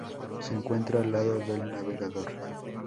Se encuentra al lado del navegador.